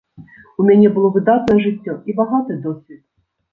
У мяне было выдатнае жыццё і багаты досвед.